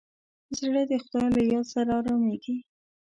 زړه د خدای له یاد سره ارامېږي.